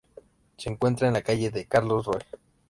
Se encuentra en la calle de Carlos Roig.